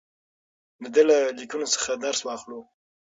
د ده له لیکنو څخه درس واخلو.